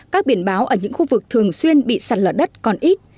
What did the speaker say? các biển báo ở những khu vực thường xuyên bị sạt lở đất còn ít